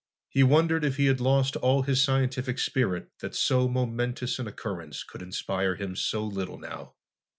He wondered if he had lost all his scientific spirit that so momentous an occurrence could inspire him so little now.